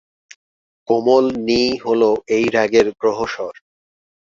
কোমল নি হল এই রাগের গ্রহস্বর।